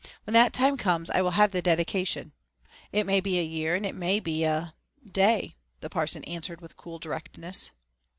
When that time comes I will have the dedication. It may be a year and it may be a day," the parson answered with cool directness.